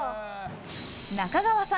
中川さん